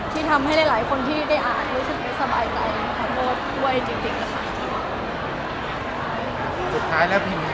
ที่ทำให้หลายคนที่ได้อ่านสบายใจและโทษด้วยจริง